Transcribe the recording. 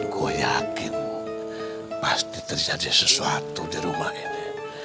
gue yakin pasti terjadi sesuatu di rumah ini